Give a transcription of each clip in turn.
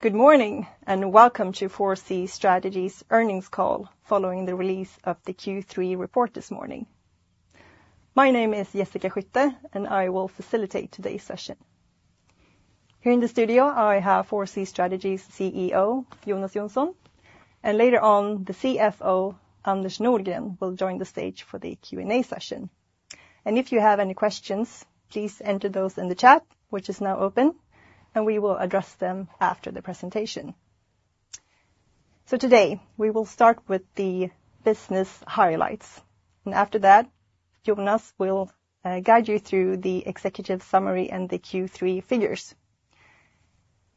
Good morning and welcome to 4C Strategies' earnings call following the release of the Q3 report this morning. My name is Jessica Skytte, and I will facilitate today's session. Here in the studio, I have 4C Strategies' CEO, Jonas Jonsson, and later on, the CFO, Anders Nordgren, will join the stage for the Q&A session. And if you have any questions, please enter those in the chat, which is now open, and we will address them after the presentation. So today, we will start with the business highlights. After that, Jonas will guide you through the executive summary and the Q3 figures.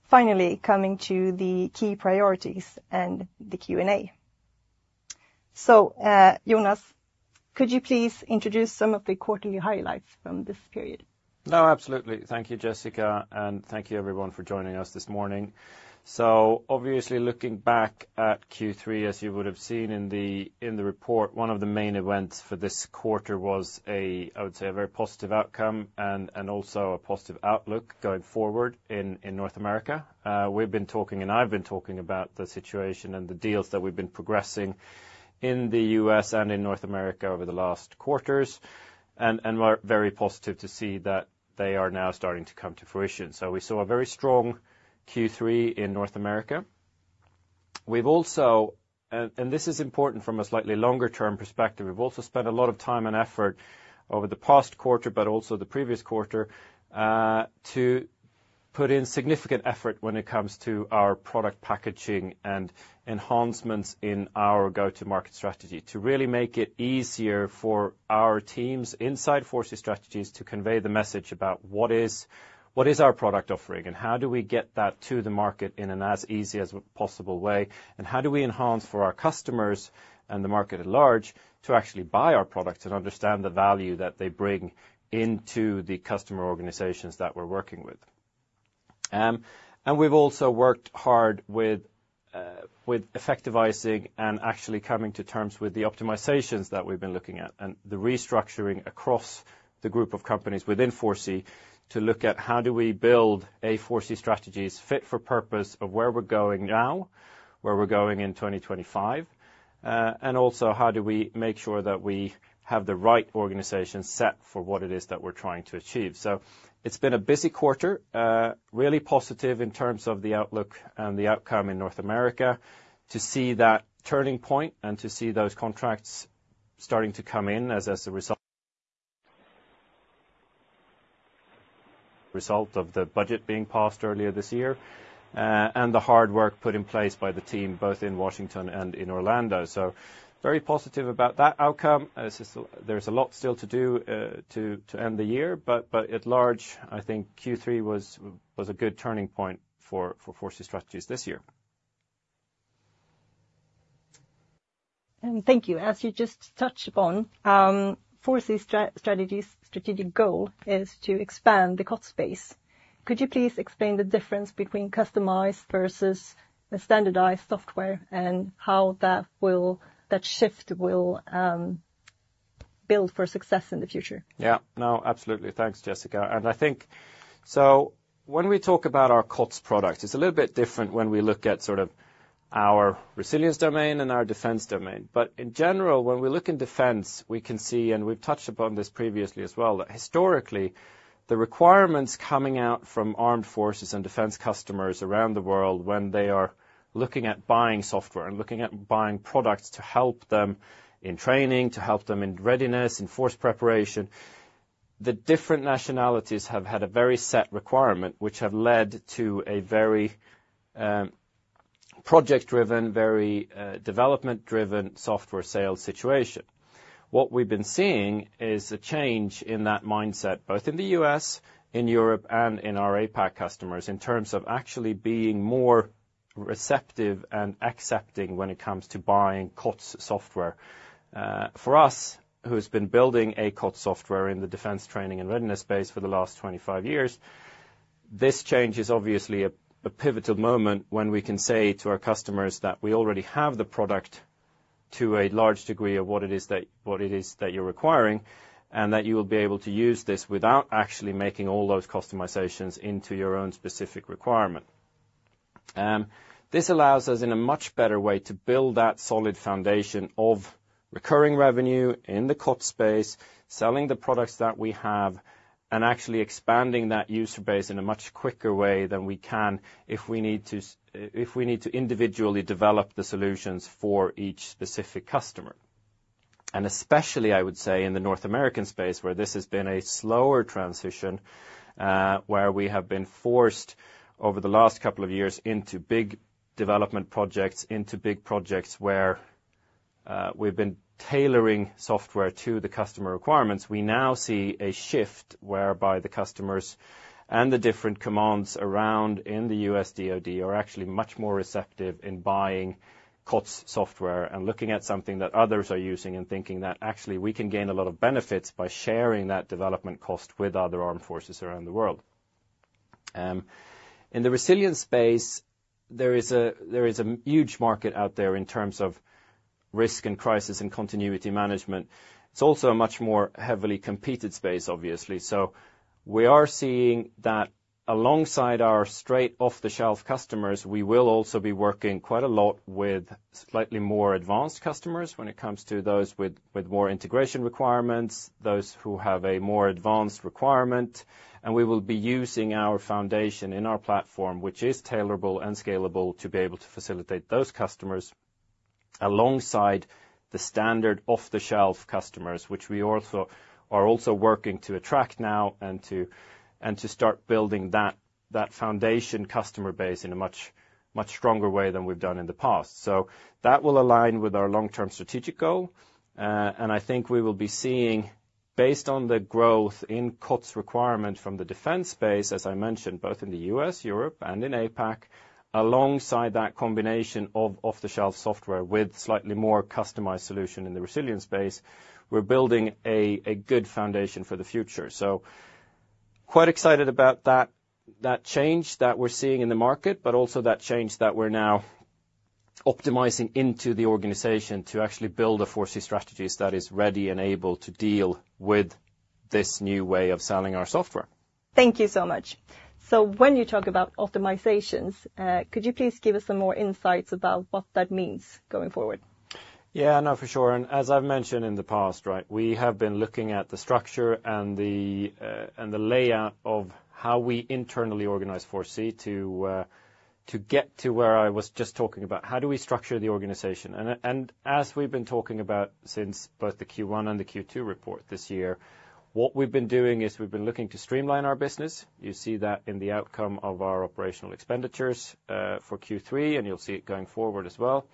Finally, coming to the key priorities and the Q&A. Jonas, could you please introduce some of the quarterly highlights from this period? No, absolutely. Thank you, Jessica, and thank you, everyone, for joining us this morning. So, obviously, looking back at Q3, as you would have seen in the report, one of the main events for this quarter was a, I would say, a very positive outcome and also a positive outlook going forward in North America. We've been talking, and I've been talking about the situation and the deals that we've been progressing in the US and in North America over the last quarters. We're very positive to see that they are now starting to come to fruition. So we saw a very strong Q3 in North America. We've also, and this is important from a slightly longer-term perspective, we've also spent a lot of time and effort over the past quarter, but also the previous quarter, to put in significant effort when it comes to our product packaging and enhancements in our go-to-market strategy to really make it easier for our teams inside 4C Strategies to convey the message about what is our product offering and how do we get that to the market in an as easy as possible way, and how do we enhance for our customers and the market at large to actually buy our products and understand the value that they bring into the customer organizations that we're working with. We've also worked hard with effectivizing and actually coming to terms with the optimizations that we've been looking at and the restructuring across the group of companies within 4C to look at how do we build a 4C Strategies fit for purpose of where we're going now, where we're going in 2025, and also how do we make sure that we have the right organization set for what it is that we're trying to achieve. It's been a busy quarter, really positive in terms of the outlook and the outcome in North America, to see that turning point and to see those contracts starting to come in as a result of the budget being passed earlier this year and the hard work put in place by the team both in Washington and in Orlando. Very positive about that outcome. There's a lot still to do to end the year, but by and large, I think Q3 was a good turning point for 4C Strategies this year. Thank you. As you just touched upon, 4C Strategies' strategic goal is to expand the COTS space. Could you please explain the difference between customized versus standardized software and how that shift will build for success in the future? Yeah, no, absolutely. Thanks, Jessica. I think, so when we talk about our COTS product, it's a little bit different when we look at our resilience domain and our defense domain. In general, when we look in defense, we can see, and we've touched upon this previously as well, that historically, the requirements coming out from armed forces and defense customers around the world when they are looking at buying software and looking at buying products to help them in training, to help them in readiness, in force preparation, the different nationalities have had a very set requirement, which have led to a very project-driven, very development-driven software sales situation. What we've been seeing is a change in that mindset, both in the U.S., in Europe, and in our APAC customers in terms of actually being more receptive and accepting when it comes to buying COTS software. For us, who have been building a COTS software in the defense training and readiness space for the last 25 years, this change is obviously a pivotal moment when we can say to our customers that we already have the product to a large degree of what it is that you're requiring and that you will be able to use this without actually making all those customizations into your own specific requirement. This allows us in a much better way to build that solid foundation of recurring revenue in the COTS space, selling the products that we have, and actually expanding that user base in a much quicker way than we can if we need to individually develop the solutions for each specific customer. Especially, I would say, in the North American space, where this has been a slower transition, where we have been forced over the last couple of years into big development projects, into big projects where we've been tailoring software to the customer requirements, we now see a shift whereby the customers and the different commands around in the U.S. DoD are actually much more receptive in buying COTS software and looking at something that others are using and thinking that actually we can gain a lot of benefits by sharing that development cost with other armed forces around the world. In the resilience space, there is a huge market out there in terms of risk and crisis and continuity management. It's also a much more heavily competed space, obviously. We are seeing that alongside our straight off-the-shelf customers, we will also be working quite a lot with slightly more advanced customers when it comes to those with more integration requirements, those who have a more advanced requirement. We will be using our foundation in our platform, which is tailorable and scalable, to be able to facilitate those customers alongside the standard off-the-shelf customers, which we are also working to attract now and to start building that foundation customer base in a much stronger way than we've done in the past. That will align with our long-term strategic goal. I think we will be seeing, based on the growth in COTS requirement from the defense space, as I mentioned, both in the U.S., Europe, and in APAC, alongside that combination of off-the-shelf software with slightly more customized solution in the resilience space, we're building a good foundation for the future. Quite excited about that change that we're seeing in the market, but also that change that we're now optimizing into the organization to actually build a 4C Strategies that is ready and able to deal with this new way of selling our software. Thank you so much. When you talk about optimizations, could you please give us some more insights about what that means going forward? Yeah, no, for sure. As I've mentioned in the past, right, we have been looking at the structure and the layout of how we internally organize 4C to get to where I was just talking about, how do we structure the organization? As we've been talking about since both the Q1 and the Q2 report this year, what we've been doing is we've been looking to streamline our business. You see that in the outcome of our operational expenditures for Q3, and you'll see it going forward as well.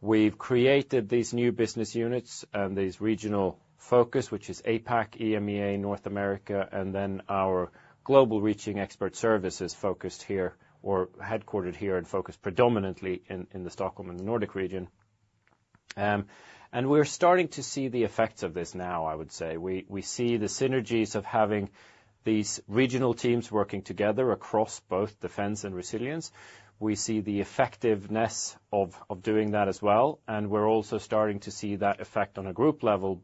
We've created these new business units and this regional focus, which is APAC, EMEA, North America, and then our global reaching expert services focused here or headquartered here and focused predominantly in the Stockholm and the Nordic region, we're starting to see the effects of this now, I would say. We see the synergies of having these regional teams working together across both defense and resilience. We see the effectiveness of doing that as well. We're also starting to see that effect on a group level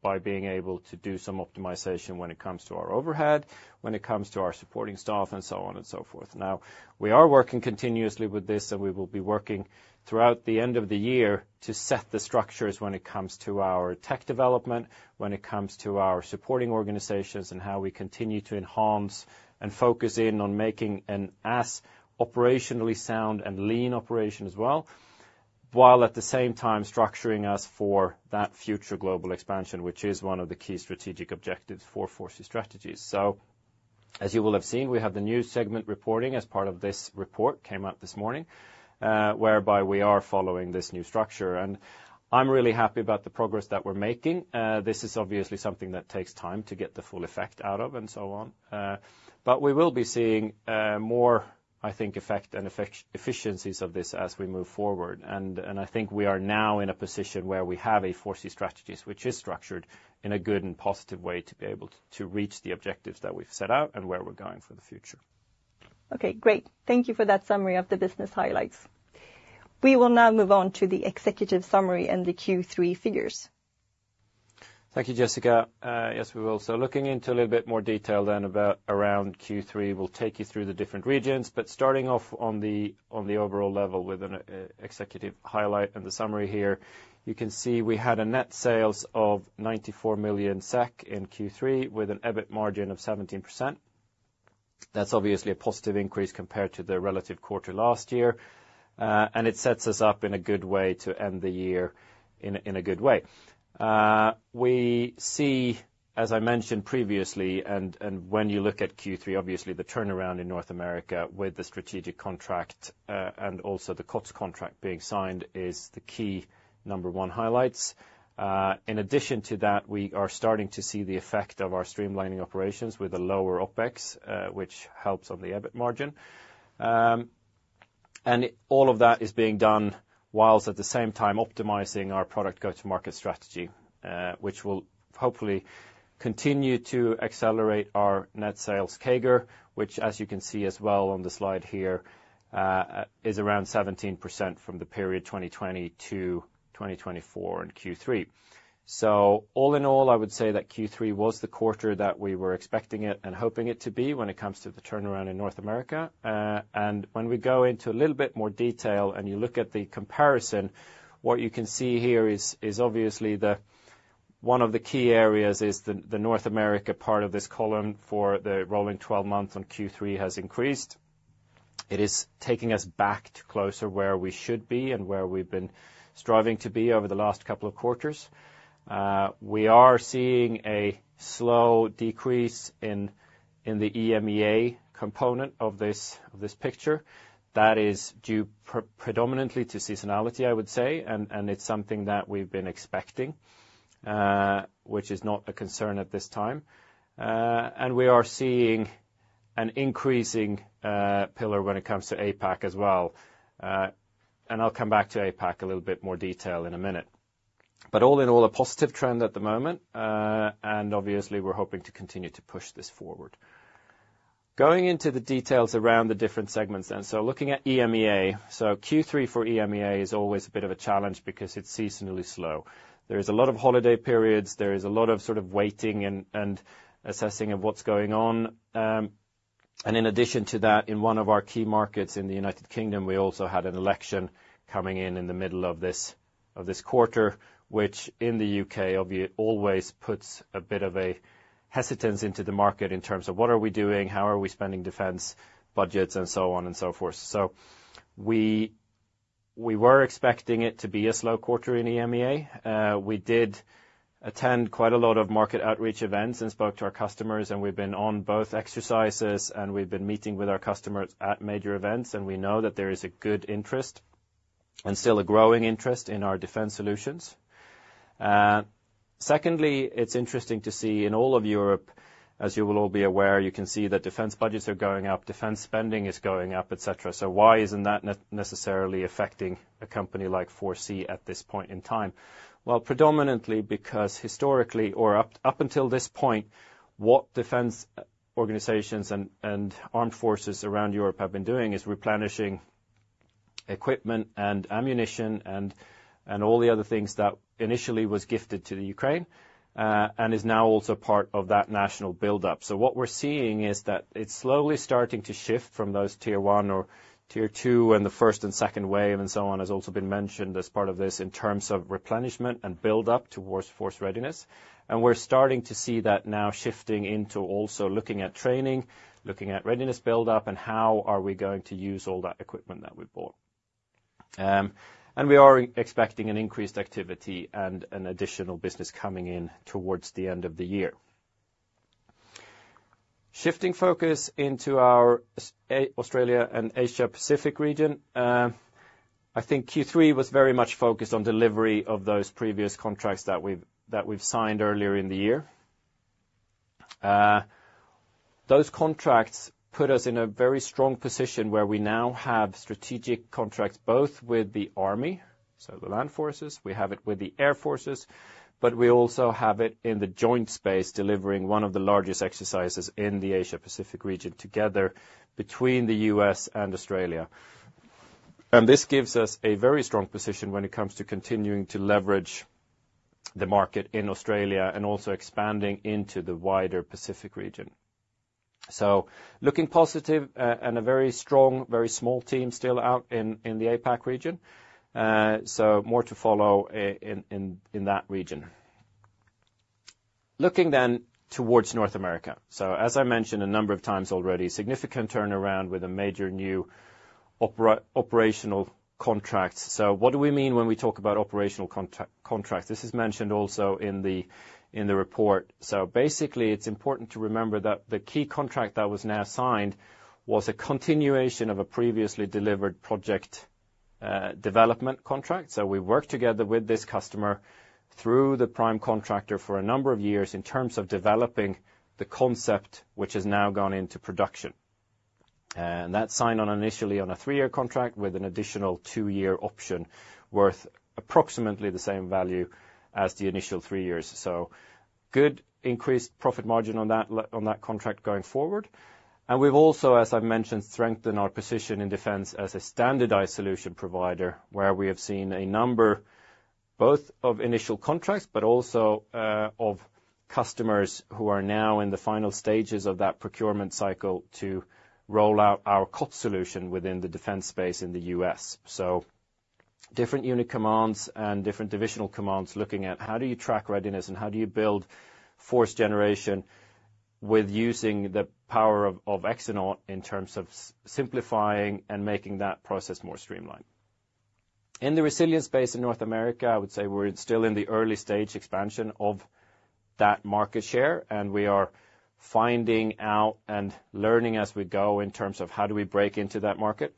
by being able to do some optimization when it comes to our overhead, when it comes to our supporting staff, and so on and so forth. Now, we are working continuously with this, and we will be working throughout the end of the year to set the structures when it comes to our tech development, when it comes to our supporting organizations, and how we continue to enhance and focus in on making an operationally sound and lean operation as well, while at the same time structuring us for that future global expansion, which is one of the key strategic objectives for 4C Strategies. As you will have seen, we have the new segment reporting as part of this report that came out this morning, whereby we are following this new structure. I'm really happy about the progress that we're making. This is obviously something that takes time to get the full effect out of and so on. We will be seeing more, I think, effect and efficiencies of this as we move forward. I think we are now in a position where we have a 4C Strategies, which is structured in a good and positive way to be able to reach the objectives that we've set out and where we're going for the future. Okay, great. Thank you for that summary of the business highlights. We will now move on to the executive summary and the Q3 figures. Thank you, Jessica. Yes, we're also looking into a little bit more detail then around Q3. We'll take you through the different regions. Starting off on the overall level with an executive highlight and the summary here, you can see we had net sales of 94 million SEK in Q3 with an EBIT margin of 17%. That's obviously a positive increase compared to the relative quarter last year. It sets us up in a good way to end the year in a good way. We see, as I mentioned previously, and when you look at Q3, obviously the turnaround in North America with the strategic contract and also the COTS contract being signed is the key number one highlights. In addition to that, we are starting to see the effect of our streamlining operations with a lower OPEX, which helps on the EBIT margin. All of that is being done while at the same time optimizing our product go-to-market strategy, which will hopefully continue to accelerate our net sales CAGR, which, as you can see as well on the slide here, is around 17% from the period 2020 to 2024 in Q3. All in all, I would say that Q3 was the quarter that we were expecting it and hoping it to be when it comes to the turnaround in North America. When we go into a little bit more detail and you look at the comparison, what you can see here is obviously that one of the key areas is the North America part of this column for the rolling 12 months on Q3 has increased. It is taking us back closer where we should be and where we've been striving to be over the last couple of quarters. We are seeing a slow decrease in the EMEA component of this picture. That is due predominantly to seasonality, I would say, and it's something that we've been expecting, which is not a concern at this time. We are seeing an increasing pillar when it comes to APAC as well. I'll come back to APAC a little bit more detail in a minute. But all in all, a positive trend at the moment. Obviously, we're hoping to continue to push this forward. Going into the details around the different segments then. Looking at EMEA, so Q3 for EMEA is always a bit of a challenge because it's seasonally slow. There is a lot of holiday periods. There is a lot of waiting and assessing of what's going on. In addition to that, in one of our key markets in the United Kingdom, we also had an election coming in in the middle of this quarter, which in the U.K. always puts a bit of a hesitance into the market in terms of what are we doing, how are we spending defense budgets, and so on and so forth. We were expecting it to be a slow quarter in EMEA. We did attend quite a lot of market outreach events and spoke to our customers. We have been on both exercises, and we have been meeting with our customers at major events. We know that there is a good interest and still a growing interest in our defense solutions. Secondly, it's interesting to see in all of Europe, as you will all be aware, you can see that defense budgets are going up, defense spending is going up, etc., so why isn't that necessarily affecting a company like 4C at this point in time? Well, predominantly because historically, or up until this point, what defense organizations and armed forces around Europe have been doing is replenishing equipment and ammunition and all the other things that initially was gifted to the Ukraine and is now also part of that national buildup, so what we're seeing is that it's slowly starting to shift from those tier one or tier two and the first and second wave and so on has also been mentioned as part of this in terms of replenishment and buildup towards force readiness. We're starting to see that now shifting into also looking at training, looking at readiness buildup, and how are we going to use all that equipment that we bought. We are expecting an increased activity and an additional business coming in towards the end of the year. Shifting focus into our Australia and Asia-Pacific region, I think Q3 was very much focused on delivery of those previous contracts that we've signed earlier in the year. Those contracts put us in a very strong position where we now have strategic contracts both with the army, so the land forces, we have it with the air forces, but we also have it in the joint space delivering one of the largest exercises in the Asia-Pacific region together between the U.S. and Australia. This gives us a very strong position when it comes to continuing to leverage the market in Australia and also expanding into the wider Pacific region. Looking positive and a very strong, very small team still out in the APAC region. More to follow in that region. Looking then towards North America. As I mentioned a number of times already, significant turnaround with a major new operational contract. What do we mean when we talk about operational contract? This is mentioned also in the report. Basically, it's important to remember that the key contract that was now signed was a continuation of a previously delivered project development contract. We worked together with this customer through the prime contractor for a number of years in terms of developing the concept, which has now gone into production. That signed on initially on a three-year contract with an additional two-year option worth approximately the same value as the initial three years, so good increased profit margin on that contract going forward. We've also, as I've mentioned, strengthened our position in defense as a standardized solution provider where we have seen a number both of initial contracts, but also of customers who are now in the final stages of that procurement cycle to roll out our COTS solution within the defense space in the U.S. Different unit commands and different divisional commands looking at how do you track readiness and how do you build force generation with using the power of Exonaut in terms of simplifying and making that process more streamlined. In the resilience space in North America, I would say we're still in the early stage expansion of that market share. We are finding out and learning as we go in terms of how do we break into that market.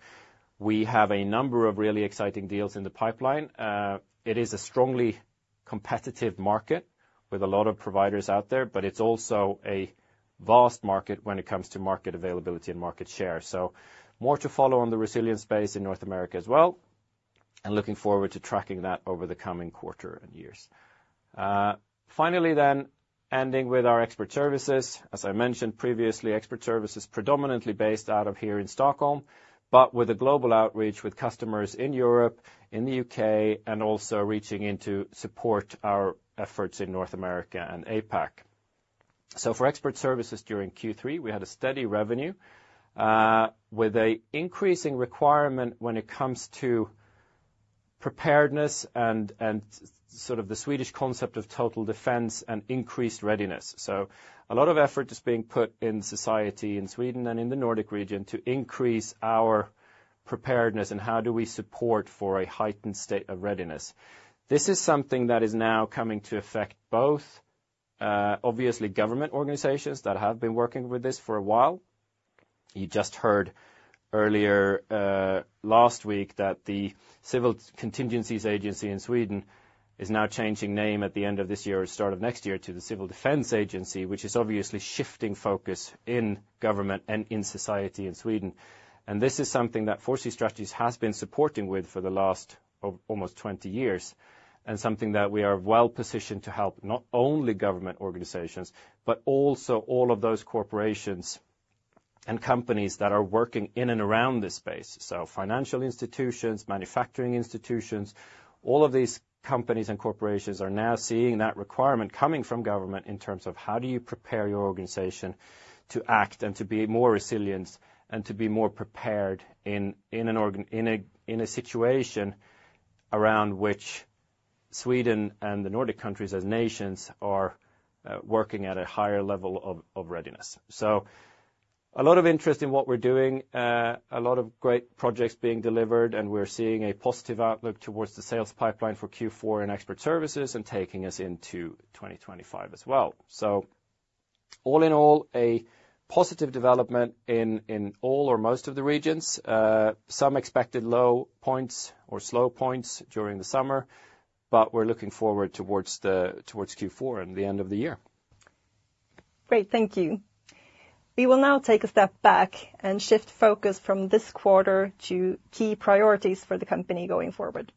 We have a number of really exciting deals in the pipeline. It is a strongly competitive market with a lot of providers out there, but it's also a vast market when it comes to market availability and market share. More to follow on the resilience space in North America as well. Looking forward to tracking that over the coming quarter and years. Finally then, ending with our expert services. As I mentioned previously, expert services predominantly based out of here in Stockholm, but with a global outreach with customers in Europe, in the U.K., and also reaching in to support our efforts in North America and APAC. For expert services during Q3, we had a steady revenue with an increasing requirement when it comes to preparedness and the Swedish concept of Total Defense and increased readiness. A lot of effort is being put in society in Sweden and in the Nordic region to increase our preparedness and how do we support for a heightened state of readiness. This is something that is now coming to affect both obviously government organizations that have been working with this for a while. You just heard earlier last week that the Civil Contingencies Agency in Sweden is now changing name at the end of this year or start of next year to the Civil Defense Agency, which is obviously shifting focus in government and in society in Sweden. This is something that 4C Strategies has been supporting with for the last almost 20 years and something that we are well positioned to help not only government organizations, but also all of those corporations and companies that are working in and around this space. Financial institutions, manufacturing institutions, all of these companies and corporations are now seeing that requirement coming from government in terms of how do you prepare your organization to act and to be more resilient and to be more prepared in a situation around which Sweden and the Nordic countries as nations are working at a higher level of readiness. A lot of interest in what we're doing, a lot of great projects being delivered, and we're seeing a positive outlook towards the sales pipeline for Q4 and expert services and taking us into 2025 as well. All in all, a positive development in all or most of the regions. Some expected low points or slow points during the summer, but we're looking forward toward Q4 and the end of the year. Great. Thank you. We will now take a step back and shift focus from this quarter to key priorities for the company going forward.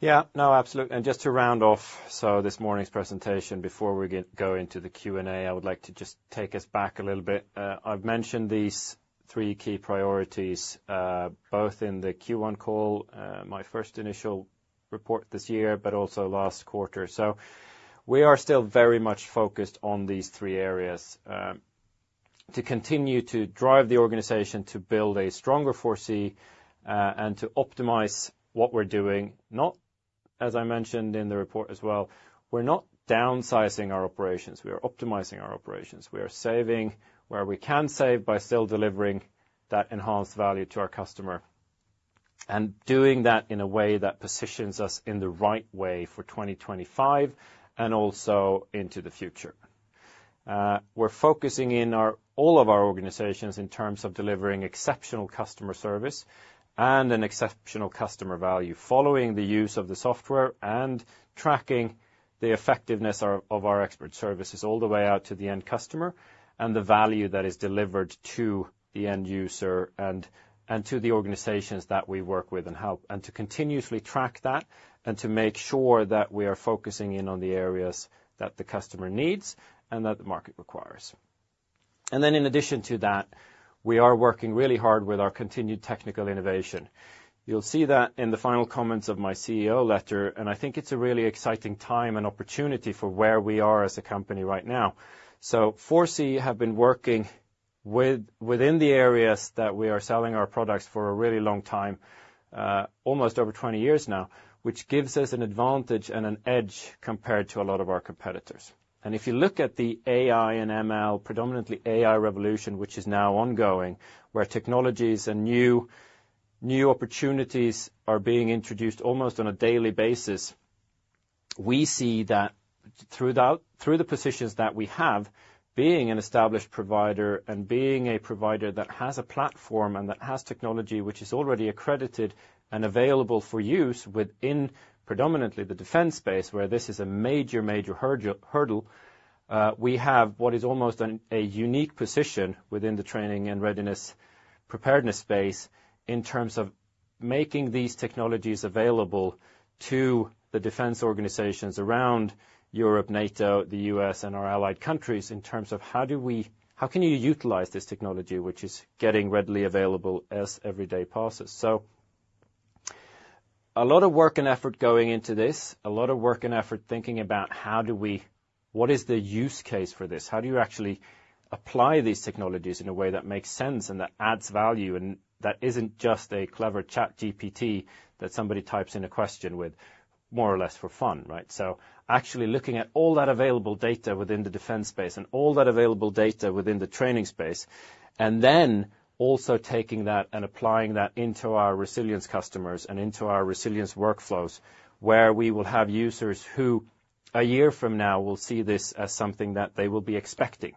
Absolutely just to round off this morning's presentation before we go into the Q&A, I would like to just take us back a little bit. I've mentioned these three key priorities both in the Q1 call, my first initial report this year, but also last quarter. We are still very much focused on these three areas to continue to drive the organization to build a stronger 4C and to optimize what we're doing. Not, as I mentioned in the report as well, we're not downsizing our operations. We are optimizing our operations. We are saving where we can save by still delivering that enhanced value to our customer and doing that in a way that positions us in the right way for 2025 and also into the future. We're focusing in all of our organizations in terms of delivering exceptional customer service and an exceptional customer value following the use of the software and tracking the effectiveness of our expert services all the way out to the end customer and the value that is delivered to the end user and to the organizations that we work with and help and to continuously track that and to make sure that we are focusing in on the areas that the customer needs and that the market requires. Then in addition to that, we are working really hard with our continued technical innovation. You'll see that in the final comments of my CEO letter, and I think it's a really exciting time and opportunity for where we are as a company right now. 4C have been working within the areas that we are selling our products for a really long time, almost over 20 years now, which gives us an advantage and an edge compared to a lot of our competitors. If you look at the AI and ML, predominantly AI revolution, which is now ongoing, where technologies and new opportunities are being introduced almost on a daily basis, we see that through the positions that we have, being an established provider and being a provider that has a platform and that has technology, which is already accredited and available for use within predominantly the defense space, where this is a major, major hurdle. We have what is almost a unique position within the training and readiness preparedness space in terms of making these technologies available to the defense organizations around Europe, NATO, the U.S., and our allied countries in terms of how can you utilize this technology, which is getting readily available as every day passes. So a lot of work and effort going into this, a lot of work and effort thinking about how do we, what is the use case for this? How do you actually apply these technologies in a way that makes sense and that adds value and that isn't just a clever ChatGPT that somebody types in a question with more or less for fun, right? So actually looking at all that available data within the defense space and all that available data within the training space, and then also taking that and applying that into our resilience customers and into our resilience workflows where we will have users who a year from now will see this as something that they will be expecting.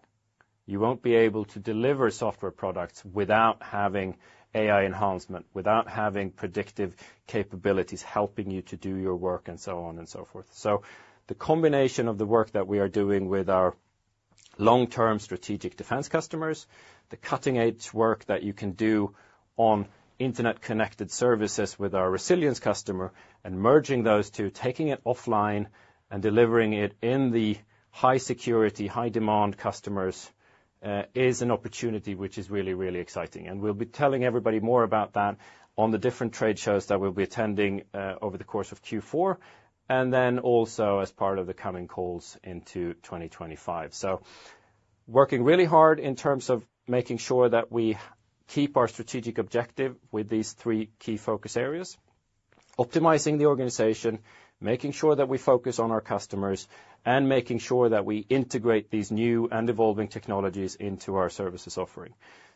You won't be able to deliver software products without having AI enhancement, without having predictive capabilities helping you to do your work and so on and so forth, so the combination of the work that we are doing with our long-term strategic defense customers, the cutting-edge work that you can do on internet-connected services with our resilience customer and merging those two, taking it offline and delivering it in the high-security, high-demand customers is an opportunity which is really, really exciting, and we'll be telling everybody more about that on the different trade shows that we'll be attending over the course of Q4 and then also as part of the coming calls into 2025. Working really hard in terms of making sure that we keep our strategic objective with these three key focus areas, optimizing the organization, making sure that we focus on our customers, and making sure that we integrate these new and evolving technologies into our services offering,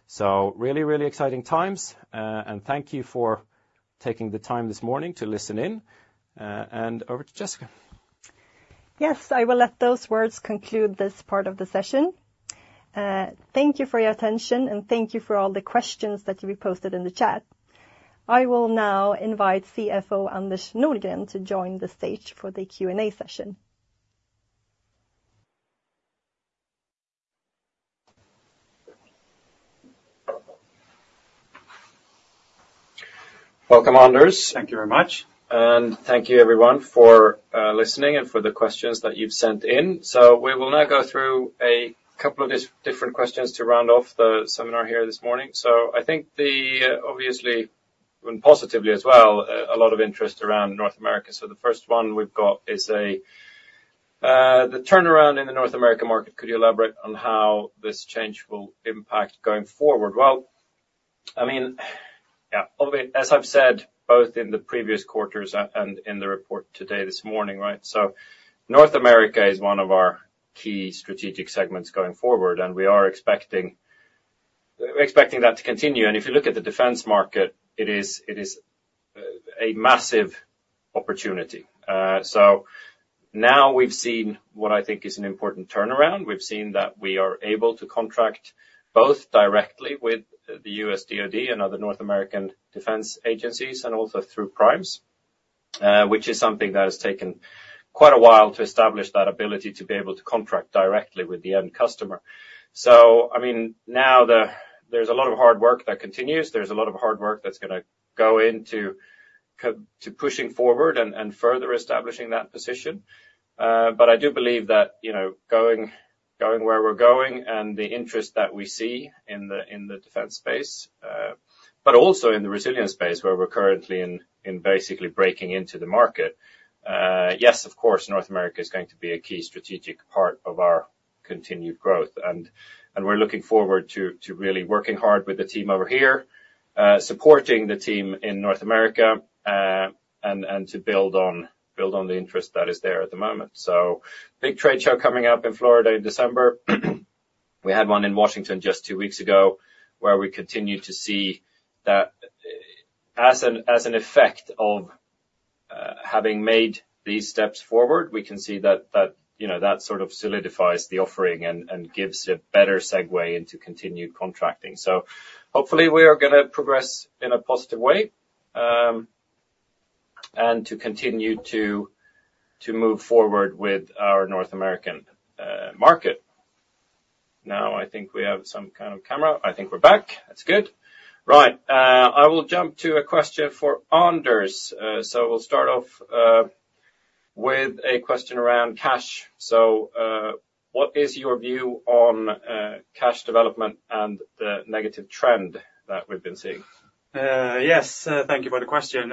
so really, really exciting times, and thank you for taking the time this morning to listen in, and over to Jessica. Yes, I will let those words conclude this part of the session. Thank you for your attention and thank you for all the questions that you've posted in the chat. I will now invite CFO Anders Nordgren to join the stage for the Q&A session. Welcome, Anders. Thank you very much. Thank you, everyone, for listening and for the questions that you've sent in. We will now go through a couple of different questions to round off the seminar here this morning. I think the obvious, and positively as well, a lot of interest around North America. The first one we've got is the turnaround in the North America market. Could you elaborate on how this change will impact going forward? Well, I mean, yeah, as I've said, both in the previous quarters and in the report today this morning, right? North America is one of our key strategic segments going forward, and we are expecting that to continue. If you look at the defense market, it is a massive opportunity. So now we've seen what I think is an important turnaround. We've seen that we are able to contract both directly with the U.S. DoD and other North American defense agencies and also through primes, which is something that has taken quite a while to establish that ability to be able to contract directly with the end customer, so I mean, now there's a lot of hard work that continues. There's a lot of hard work that's going to go into pushing forward and further establishing that position, but I do believe that going where we're going and the interest that we see in the defense space, but also in the resilience space where we're currently in basically breaking into the market, yes, of course, North America is going to be a key strategic part of our continued growth. We're looking forward to really working hard with the team over here, supporting the team in North America, and to build on the interest that is there at the moment. Big trade show coming up in Florida in December. We had one in Washington just two weeks ago where we continue to see that as an effect of having made these steps forward, we can see that that solidifies the offering and gives a better segue into continued contracting. Hopefully we are going to progress in a positive way and to continue to move forward with our North American market. Now I think we have some camera. I think we're back. That's good. Right. I will jump to a question for Anders. So we'll start off with a question around cash. What is your view on cash development and the negative trend that we've been seeing? Yes, thank you for the question.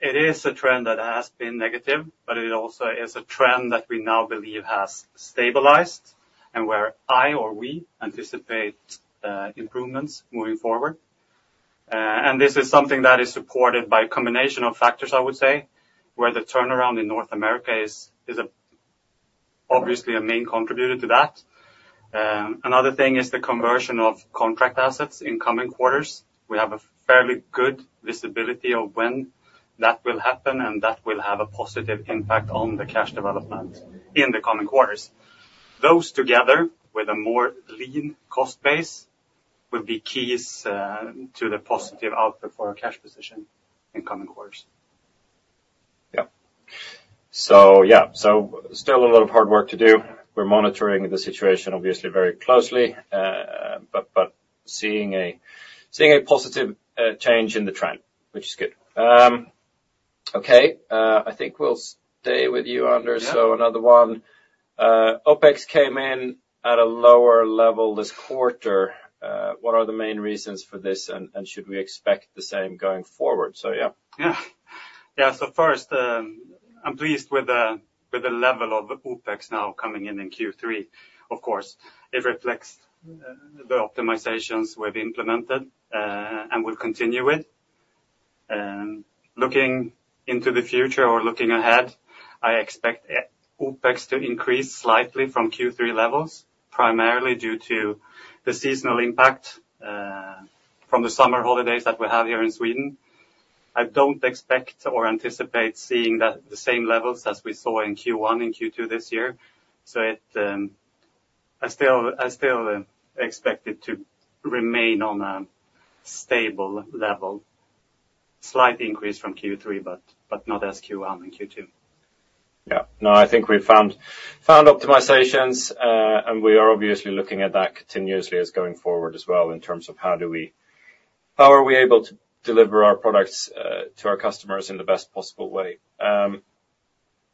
It is a trend that has been negative, but it also is a trend that we now believe has stabilized and where I or we anticipate improvements moving forward, and this is something that is supported by a combination of factors, I would say, where the turnaround in North America is obviously a main contributor to that. Another thing is the conversion of contract assets in coming quarters. We have a fairly good visibility of when that will happen and that will have a positive impact on the cash development in the coming quarters. Those together with a more lean cost base would be keys to the positive output for our cash position in coming quarters. Still a lot of hard work to do. We're monitoring the situation obviously very closely, but seeing a positive change in the trend, which is good. Okay. I think we'll stay with you, Anders. Another one. OPEX came in at a lower level this quarter. What are the main reasons for this and should we expect the same going forward? First, I'm pleased with the level of OPEX now coming in in Q3. Of course, it reflects the optimizations we've implemented and we'll continue with. Looking into the future or looking ahead, I expect OPEX to increase slightly from Q3 levels, primarily due to the seasonal impact from the summer holidays that we have here in Sweden. I don't expect or anticipate seeing the same levels as we saw in Q1 and Q2 this year. I still expect it to remain on a stable level, slight increase from Q3, but not as Q1 and Q2. Yeah. No, I think we've found optimizations and we are obviously looking at that continuously as going forward as well in terms of how are we able to deliver our products to our customers in the best possible way.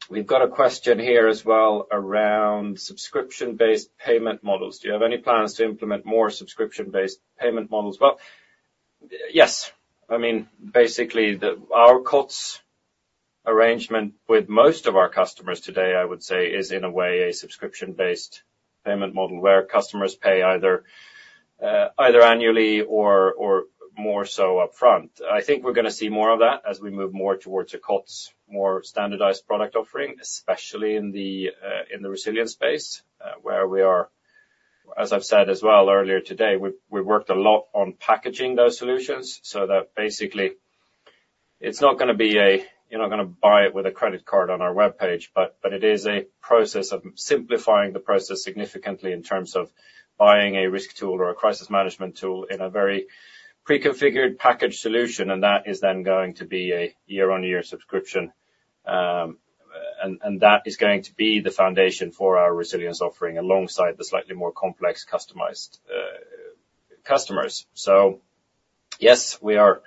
We've got a question here as well around subscription-based payment models. Do you have any plans to implement more subscription-based payment models? Well, yes. I mean, basically our COTS arrangement with most of our customers today, I would say, is in a way a subscription-based payment model where customers pay either annually or more so upfront. I think we're going to see more of that as we move more towards a COTS, more standardized product offering, especially in the resilience space where we are. As I've said as well earlier today, we've worked a lot on packaging those solutions so that basically it's not going to be, you're not going to buy it with a credit card on our webpage, but it is a process of simplifying the process significantly in terms of buying a risk tool or a crisis management tool in a very pre-configured package solution, and that is then going to be a year-on-year subscription, and that is going to be the foundation for our resilience offering alongside the slightly more complex customized customers. Yes, we are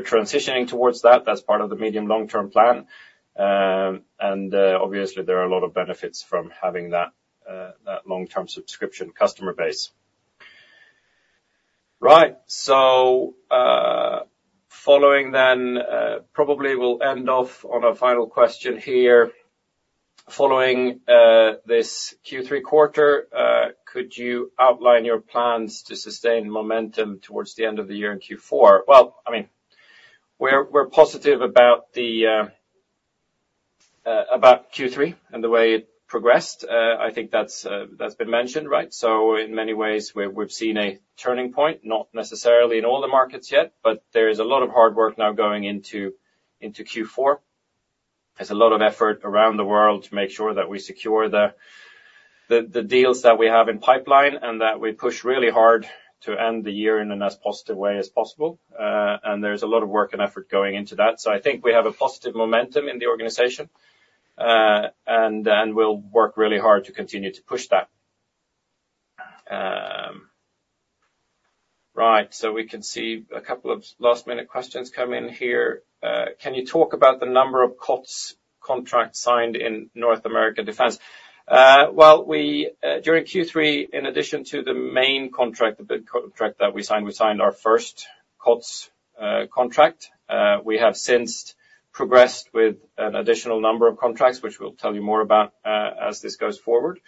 transitioning towards that. That's part of the medium-long-term plan, and obviously, there are a lot of benefits from having that long-term subscription customer base. Following then, probably we'll end off on a final question here. Following this Q3 quarter, could you outline your plans to sustain momentum towards the end of the year in Q4? Well, I mean, we're positive about Q3 and the way it progressed. I think that's been mentioned, right? In many ways, we've seen a turning point, not necessarily in all the markets yet, but there is a lot of hard work now going into Q4. There's a lot of effort around the world to make sure that we secure the deals that we have in pipeline and that we push really hard to end the year in the most positive way as possible. There's a lot of work and effort going into that. So I think we have a positive momentum in the organization and we'll work really hard to continue to push that. Right. So we can see a couple of last-minute questions come in here. Can you talk about the number of COTS contracts signed in North America defense? Well, during Q3, in addition to the main contract, the big contract that we signed, we signed our first COTS contract. We have since progressed with an additional number of contracts, which we'll tell you more about as this goes forward.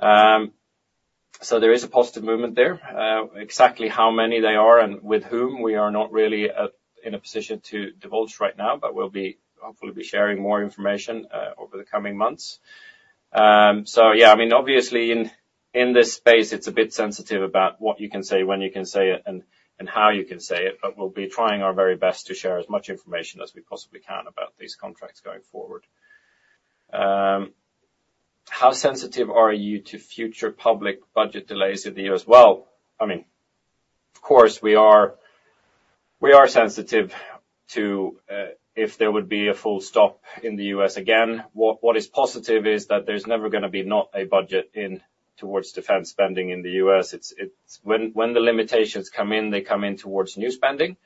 There is a positive movement there. Exactly how many they are and with whom, we are not really in a position to divulge right now, but we'll hopefully be sharing more information over the coming months. I mean, obviously in this space, it's a bit sensitive about what you can say, when you can say it, and how you can say it, but we'll be trying our very best to share as much information as we possibly can about these contracts going forward. How sensitive are you to future public budget delays in the U.S.? Well, I mean, of course, we are sensitive to if there would be a full stop in the U.S. again. What is positive is that there's never going to be not a budget towards defense spending in the U.S. When the limitations come in, they come in towards new spending.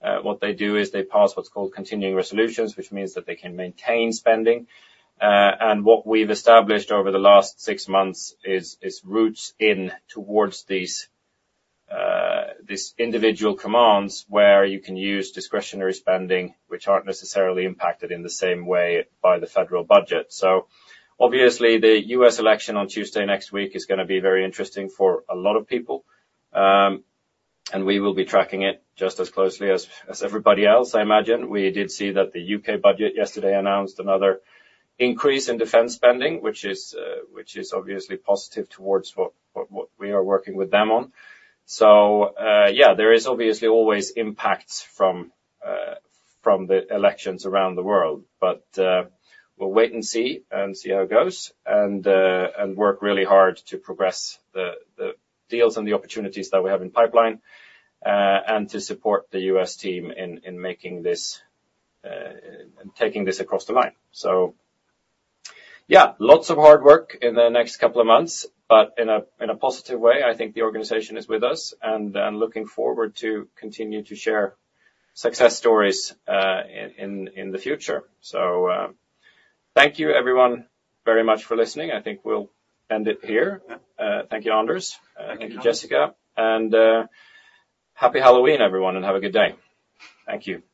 What they do is they pass what's called continuing resolutions, which means that they can maintain spending. What we've established over the last six months is routes in towards these individual commands where you can use discretionary spending, which aren't necessarily impacted in the same way by the federal budget. Obviously, the U.S. election on Tuesday next week is going to be very interesting for a lot of people. We will be tracking it just as closely as everybody else, I imagine. We did see that the U.K. budget yesterday announced another increase in defense spending, which is obviously positive toward what we are working with them on. There is obviously always impact from the elections around the world, but we'll wait and see and see how it goes and work really hard to progress the deals and the opportunities that we have in pipeline and to support the U.S. team in making this and taking this across the line. Lots of hard work in the next couple of months, but in a positive way. I think the organization is with us and looking forward to continue to share success stories in the future. Thank you, everyone, very much for listening. I think we'll end it here. Thank you, Anders. Thank you, Jessica, and happy Halloween, everyone, and have a good day. Thank you.